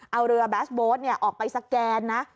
เอาเรือแบสโบ๊ทออกไปสแกนนะ